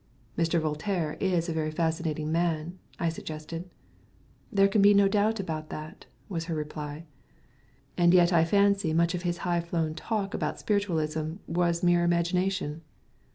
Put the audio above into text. "Mr. Voltaire is a very fascinating man," I suggested. "There can be no doubt about that," was her reply. "And yet I fancy much of his high flown talk about spiritualism was mere imagination."